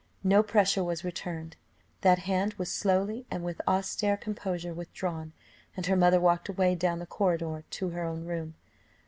No pressure was returned; that hand was slowly and with austere composure withdrawn, and her mother walked away down the corridor to her own room.